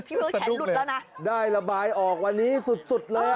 พี่เมืองแขนหลุดแล้วนะได้ระบายออกวันนี้สุดเลย